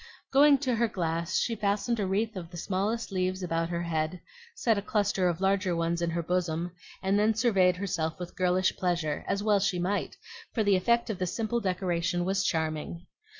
Going to her glass, she fastened a wreath of the smallest leaves about her head, set a cluster of larger ones in her bosom, and then surveyed herself with girlish pleasure, as well she might; for the effect of the simple decoration was charming.